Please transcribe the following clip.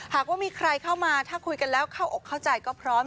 หากว่ามีใครเข้ามาถ้าคุยกันแล้วเข้าอกเข้าใจก็พร้อม